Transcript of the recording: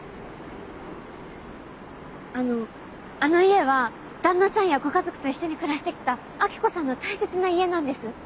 あのあの家は旦那さんやご家族と一緒に暮らしてきた明子さんの大切な家なんです。